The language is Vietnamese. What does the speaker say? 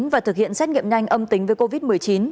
và thực hiện xét nghiệm nhanh âm tính với covid một mươi chín